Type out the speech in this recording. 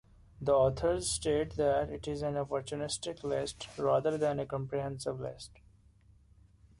The authors state that, It is an opportunistic list, rather than a comprehensive list.